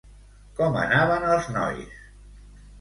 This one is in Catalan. Com anaven els nois?